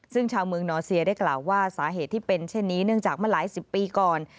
ซึ่งชาวเมืองนอร์เซียได้กล่าวว่าสาเหตุที่เป็นเช่นนี้เนื่องจากเมื่อหลายสิบปีก่อน